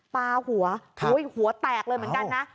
ปลาหัวหัวแตกเลยเหมือนกันนะ